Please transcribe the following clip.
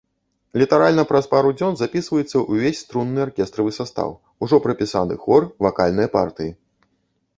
Літаральна праз пару дзён запісваецца ўвесь струнны аркестравы састаў, ужо прапісаны хор, вакальныя партыі.